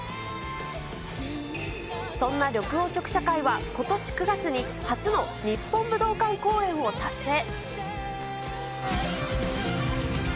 そんな緑黄色社会は、ことし９月に、初の日本武道館公演を達成。